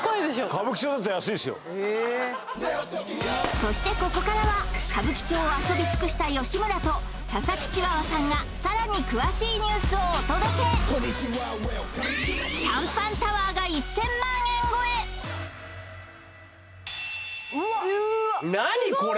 そしてここからは歌舞伎町を遊び尽くした吉村と佐々木チワワさんがさらに詳しいニュースをお届けうわっすごい何だよこれ！